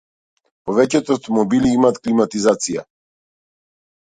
Повеќето автомобили имаат климатизација.